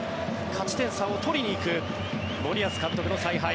勝ち点３を取りに行く森保監督の采配。